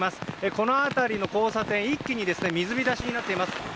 この辺りの交差点一気に水浸しになっています。